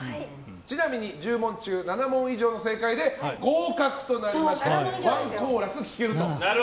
ちなみに１０問中７問以内の正解で合格となりましてワンコーラス聴けると。